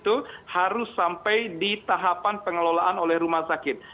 itu harus sampai di tahapan pengelolaan oleh rumah sakit